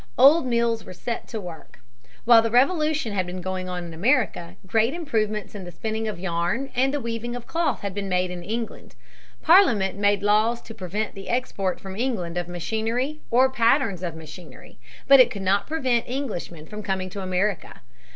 Old mills were set to work. While the Revolution had been going on in America, great improvements in the spinning of yarn and the weaving of cloth had been made in England. Parliament made laws to prevent the export from England of machinery or patterns of machinery. But it could not prevent Englishmen from coming to America.